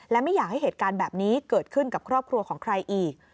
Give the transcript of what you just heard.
และไม่อยากให้เหตุการณ์แบบนี้เกิดขึ้นกับครอบครัวของใครอีก